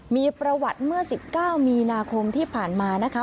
มีประวัติเมื่อ๑๙มีนาคมที่ผ่านมานะคะ